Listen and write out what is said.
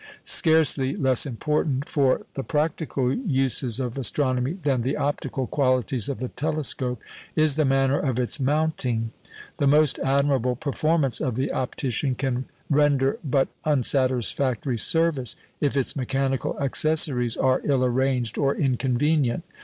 Scarcely less important for the practical uses of astronomy than the optical qualities of the telescope is the manner of its mounting. The most admirable performance of the optician can render but unsatisfactory service if its mechanical accessories are ill arranged or inconvenient.